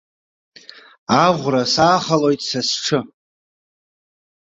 Аӷәра саахалоит са сҽы.